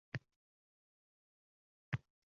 Zuhra esa ikki o`t orasida dovdiragancha qolaverdi